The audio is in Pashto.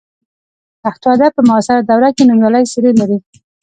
پښتو ادب په معاصره دوره کې نومیالۍ څېرې لري.